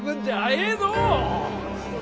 ええのう？